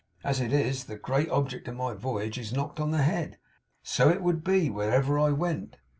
As it is, the great object of my voyage is knocked on the head. So it would be, wherever I went.